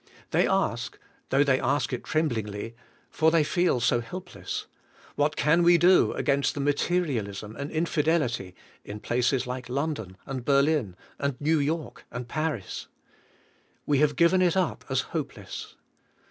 They ask, though they ask it tremblingl}^, for they feel so helpless: What can we do against the materialism and infidelity in places like London and Berlin and New York and Paris? We have given it up as hopeless.